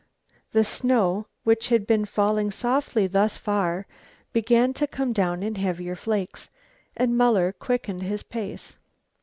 The snow, which had been falling softly thus far, began to come down in heavier flakes, and Muller quickened his pace.